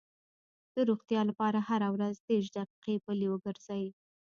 د روغتیا لپاره هره ورځ دېرش دقیقې پلي وګرځئ.